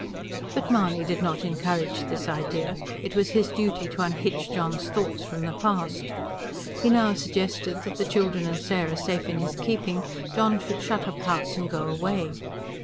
But Mahony did not encourage this idea; it was his duty to unhitch John's thoughts from the past. He now suggested that, the children and Sarah safe in his keeping, John should shut up the house and go away.